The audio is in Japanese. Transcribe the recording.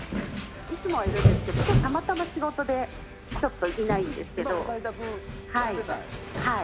いつもはいるんですけど今日たまたま仕事でちょっといないんですけど。